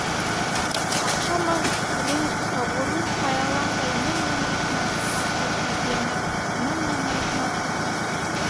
Ҡаҡшамаҫ рух, ғорур ҡаяларҙай, Мең-мең рәхмәт, атай, тәрбиәңә, Мең-мең рәхмәт һеҙгә!